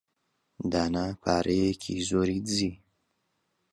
دانا پارەیەکی زۆری دزی.